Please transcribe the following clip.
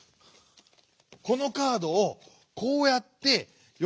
このカードをこうやってよ